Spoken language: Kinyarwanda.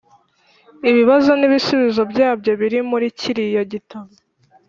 ibibazo n’ibisubizo byabyo biri murikiriya gitabo